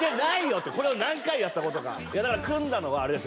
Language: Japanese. ってこれを何回やったことかいやだから組んだのはあれですよ